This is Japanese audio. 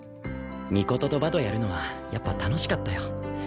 尊とバドやるのはやっぱ楽しかったよ。